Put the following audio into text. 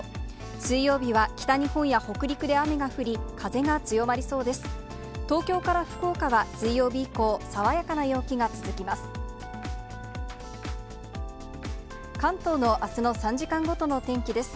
水曜日は北日本や北陸で雨が降り、風が強まりそうです。